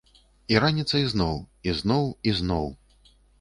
І раніцай зноў, і зноў, і зноў.